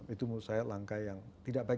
itu menurut saya langkah yang tidak baik